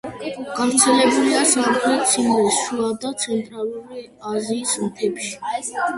გავრცელებულია სამხრეთ ციმბირის შუა და ცენტრალური აზიის მთებში.